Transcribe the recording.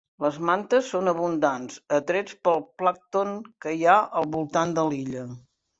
Les mantes són abundants, atrets pel plàncton que hi ha al voltant de l'illa.